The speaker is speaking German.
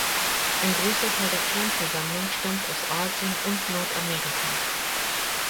Ein großer Teil der Pflanzensammlung stammt aus Asien und Nordamerika.